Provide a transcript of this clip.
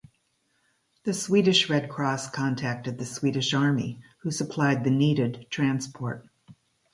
The Swedish Red Cross contacted the Swedish Army who supplied the needed transport.